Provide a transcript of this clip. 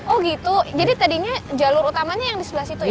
oh gitu jadi tadinya jalur utamanya yang di sebelah situ ya